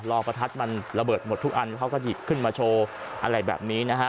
ประทัดมันระเบิดหมดทุกอันเขาก็หยิบขึ้นมาโชว์อะไรแบบนี้นะฮะ